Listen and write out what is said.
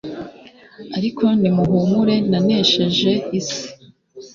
ariko nimuhumure nanesheje isi